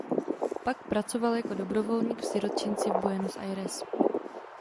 Pak pracoval jako dobrovolník v sirotčinci v Buenos Aires.